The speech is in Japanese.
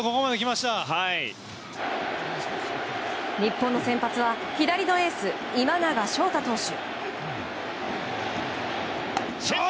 日本の先発は左のエース、今永昇太投手。